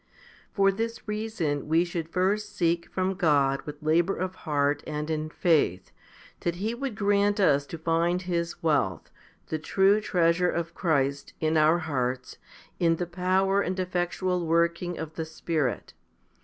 6. For this reason we should first seek from God with labour of heart and in faith, that He would grant us to find His wealth, the true treasure of Christ, in our hearts, in the power and effectual working of the Spirit.